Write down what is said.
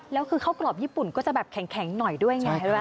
แล้วคือข้าวกรอบญี่ปุ่นก็จะแบบแข็งหน่อยด้วยไง